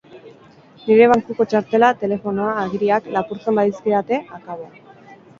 Nire bankuko txartela, telefonoa, agiriak... lapurtzen badizkidate, akabo!